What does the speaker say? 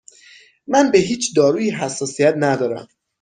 من به هیچ دارویی حساسیت ندارم.